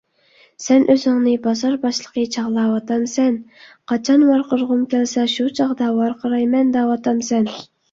سەن ئۆزۈڭنى بازار باشلىقى چاغلاۋاتامسەن؟! قاچان ۋارقىرىغۇم كەلسە شۇ چاغدا ۋارقىرايمەن دەۋاتامسەن؟!